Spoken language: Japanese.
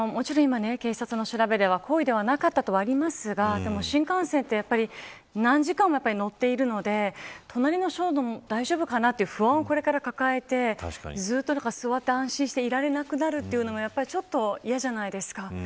警察の調べでは故意ではなかったとありますが新幹線は何時間も乗っているので隣の人のものも大丈夫かなという不安を抱えて座って安心していられなくなるというのはちょっと嫌じゃないですか。